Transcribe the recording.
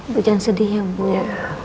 jangan sedih ya bu ya